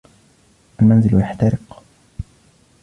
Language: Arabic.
المنزل يحترق.